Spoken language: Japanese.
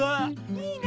いいね！